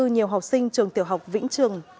nhiều học sinh trường tiểu học vĩnh trường